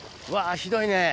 ひどいね。